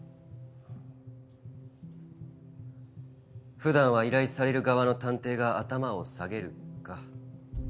普段は依頼される側の探偵が頭を下げるか。